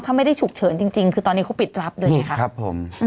ถ้าไม่ได้ฉุกเฉินจริงคือตอนนี้เขาปิดรับด้วยไงครับผม